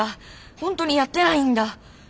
ほんとにやってないんだ！